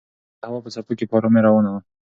الوتکه د هوا په څپو کې په ارامۍ روانه وه.